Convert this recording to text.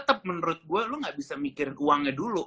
tetep menurut gue lo gak bisa mikir uangnya dulu